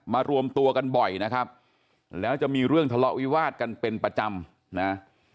รวมตัวกันบ่อยนะครับแล้วจะมีเรื่องทะเลาะวิวาดกันเป็นประจำนะ